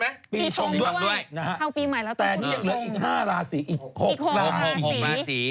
แต่นี่ยังเหลืออีก๕ราศีอีก๖ราศี